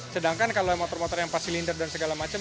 sedangkan kalau motor motor yang pas silinder dan segala macam